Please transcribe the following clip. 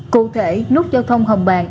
cụ thể nút giao thông hồng bàn